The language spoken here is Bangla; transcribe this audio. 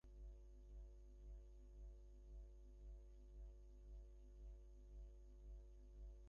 ঝিঁঝি পোকার ডাক উঠেছে প্রাঙ্গণে, কোথায় গরুর গাড়ি চলেছে তার আর্তস্বর শোনা যায়।